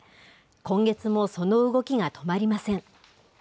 今月も、その動きが止まりません。